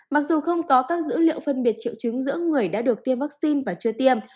mặc dù không có các dữ liệu phân biệt triệu chứng giữa người đã được tiêm vaccine và chưa tiêm